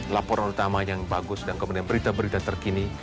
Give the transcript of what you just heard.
laporan utama yang bagus dan kemudian berita berita terkini